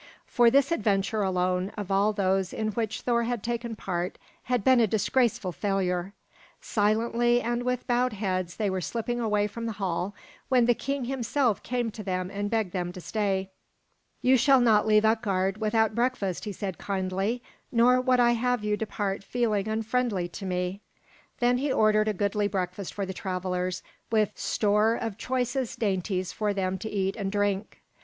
For this adventure alone of all those in which Thor had taken part had been a disgraceful failure. Silently and with bowed heads they were slipping away from the hall when the king himself came to them and begged them to stay. "You shall not leave Utgard without breakfast," he said kindly, "nor would I have you depart feeling unfriendly to me." Then he ordered a goodly breakfast for the travelers, with store of choicest dainties for them to eat and drink.